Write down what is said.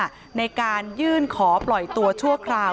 จนสนิทกับเขาหมดแล้วเนี่ยเหมือนเป็นส่วนหนึ่งของครอบครัวเขาไปแล้วอ่ะ